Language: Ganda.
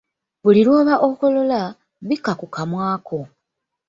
Buli lw’oba okolola, bikka ku kamwa ko